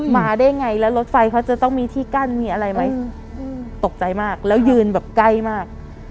มาได้ไงแล้วรถไฟเขาจะต้องมีที่กั้นมีอะไรไหมตกใจมากแล้วยืนแบบใกล้มาก